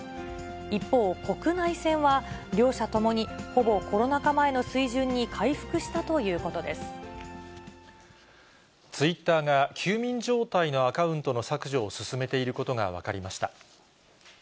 一方、国内線は両社ともにほぼコロナ禍前の水準に回復したということでツイッターが休眠状態のアカウントの削除を進めていることが分かりました。